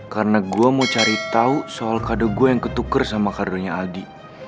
karena gue mau cari tau soal kado gue yang ketuker sama kado nya ardi